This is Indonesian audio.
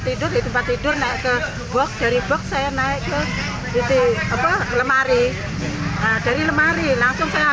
tidur di tempat tidur naik ke box dari box saya naik ke titik apa lemari dari lemari langsung saya